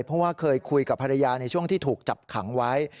เพราะว่าเคยคุยกับภรรยาในช่วงที่ถูกจับขังไว้